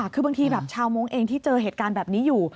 คือบางทีแบบชาวมงค์เองที่เจอเหตุการณ์แบบนี้อยู่